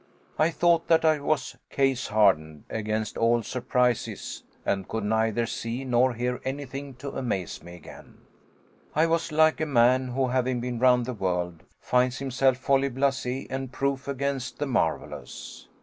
I thought that I was case hardened against all surprises and could neither see nor hear anything to amaze me again. I was like a many who, having been round the world, finds himself wholly blase and proof against the marvelous.